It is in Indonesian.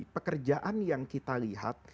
pekerjaan yang kita lihat